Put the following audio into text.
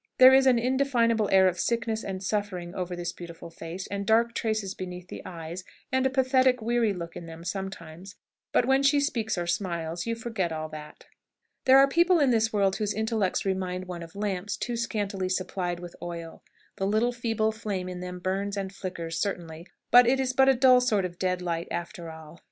There is an indefinable air of sickness and suffering over this beautiful face, and dark traces beneath the eyes, and a pathetic, weary look in them sometimes; but, when she speaks or smiles, you forget all that. There are people in this world whose intellects remind one of lamps too scantily supplied with oil. The little feeble flame in them burns and flickers, certainly, but it is but a dull sort of dead light after all.